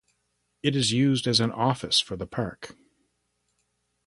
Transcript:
It is used as an office for the Park.